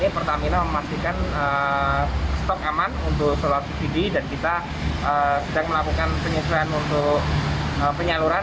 pertamina memastikan stok aman untuk solar subsidi dan kita sedang melakukan penyesuaian untuk penyaluran